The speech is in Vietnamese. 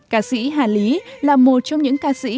ca sĩ hà lý là một trong những ca sĩ